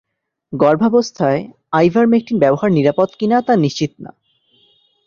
গর্ভাবস্থায় আইভারমেকটিন ব্যবহার নিরাপদ কি না তা নিশ্চিত না।